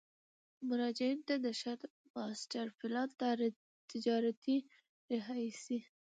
مراجعینو ته د ښار ماسټر پلان، تجارتي، رهایشي،